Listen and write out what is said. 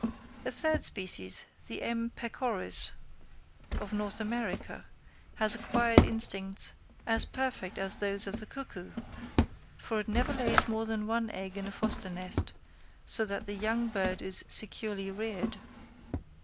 A third species, the M. pecoris of North America, has acquired instincts as perfect as those of the cuckoo, for it never lays more than one egg in a foster nest, so that the young bird is securely reared.